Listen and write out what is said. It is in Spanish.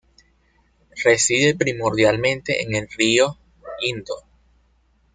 Reside primordialmente en el río Indo.